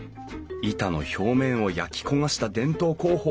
板の表面を焼き焦がした伝統工法。